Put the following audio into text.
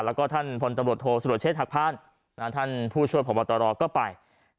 แล้วท่านพลธรรมดโธสุดเชษฐ์หักพลาดท่านพูดช่วยผ่องบัตรรอก็ไป